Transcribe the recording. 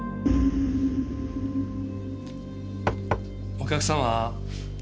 お客様？